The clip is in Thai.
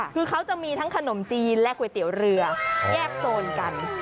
คือเขาจะมีทั้งขนมจีนและก๋วยเตี๋ยวเรือแยกโซนกัน